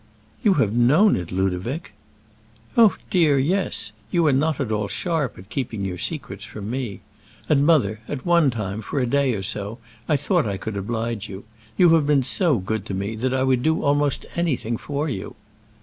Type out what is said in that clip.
"You have known it, Ludovic!" "Oh, dear, yes; you are not at all sharp at keeping your secrets from me. And, mother, at one time, for a day or so, I thought that I could oblige you. You have been so good to me, that I would almost do anything for you."